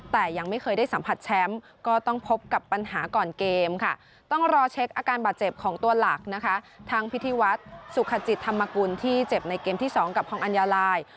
แต่ยังไม่เคยได้สัมผัสแชมป์ก็ต้องพบกับปัญหาก่อนเกมค่ะต้องรอเช็คอาการบาดเจ็บของตัวหลักนะคะทั้งพิธีวัฒน์สุขจิตธรรมกุลที่เจ็บในเกมที่๒กับฮองอัญญาลาย